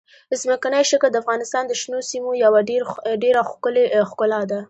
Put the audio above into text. ځمکنی شکل د افغانستان د شنو سیمو یوه ډېره ښکلې ښکلا ده.